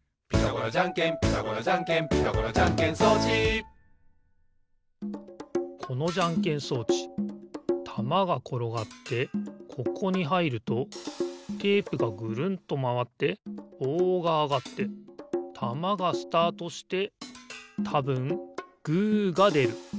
「ピタゴラじゃんけんピタゴラじゃんけん」「ピタゴラじゃんけん装置」このじゃんけん装置たまがころがってここにはいるとテープがぐるんとまわってぼうがあがってたまがスタートしてたぶんグーがでる。